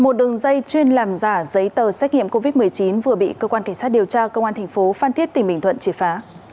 một đường dây chuyên làm giả giấy tờ xét nghiệm covid một mươi chín vừa bị cơ quan cảnh sát điều tra công an thành phố phan thiết tỉnh bình thuận triệt phá